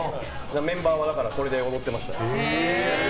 メンバーはこれで踊ってました。